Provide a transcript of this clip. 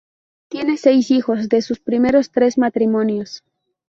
Tiene seis hijos de sus primeros tres matrimonios.